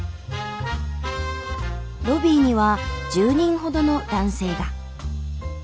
ロビーには１０人ほどの男性が。